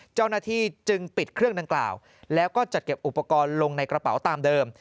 เจ้าหน้าที่จึงปิดเครื่องดังกล่าวแล้วก็จัดเก็บอุปกรณ์ลงในกระเป๋าตามเดิม